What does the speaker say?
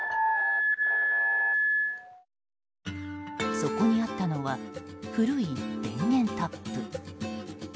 そこにあったのは古い電源タップ。